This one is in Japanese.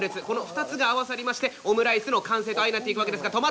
この２つが合わさりましてオムライスの完成と相成っていくわけですが。